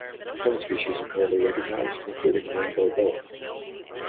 Ten species are currently recognized, including the rainbow boa.